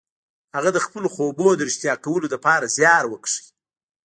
هغه د خپلو خوبونو د رښتيا کولو لپاره زيار وکيښ.